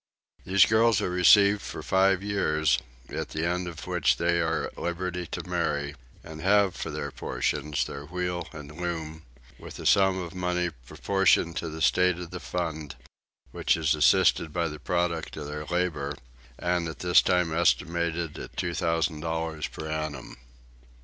These girls are received for five years, at the end of which they are at liberty to marry, and have for their portions their wheel and loom, with a sum of money proportioned to the state of the fund, which is assisted by the produce of their labour, and at this time was estimated at two thousand dollars per annum.